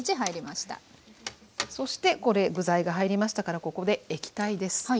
そして具材が入りましたからここで液体です。